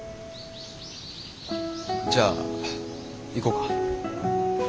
じゃあ行こうか。